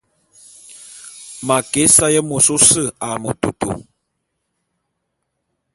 M'a ke ésaé môs ôse a metôtô.